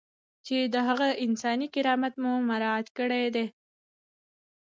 چې د هغه انساني کرامت مو مراعات کړی دی.